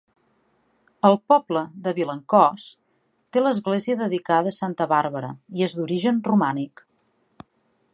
El poble de Vilancòs té l'església dedicada a santa Bàrbara, i és d'origen romànic.